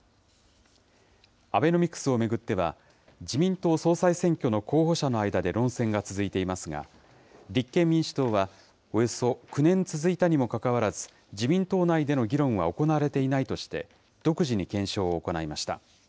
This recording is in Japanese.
アベノミクスを巡っては、自民党総裁選挙の候補者の間で論戦が続いていますが、立憲民主党はおよそ９年続いたにもかかわらず、自民党内での議論は行われていないとして、独自に検証を行いました。